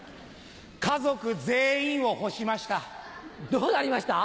家族全員を干しました。